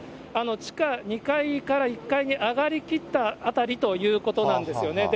地下２階から１階に上がりきった辺りということなんですよね。